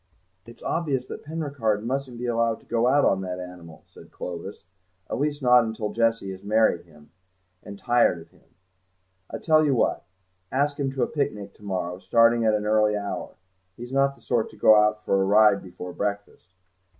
"It's obvious that Penricarde mustn't be allowed to go out on that animal," said Clovis, "at least not till Jessie has married him, and tired of him. I tell you what: ask him to a picnic to morrow, starting at an early hour; he's not the sort to go out for a ride before breakfast.